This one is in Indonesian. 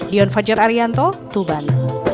dion fajar arianto tuban